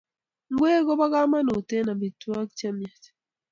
Ngwek kopo kamanut eng amitwogik chemiach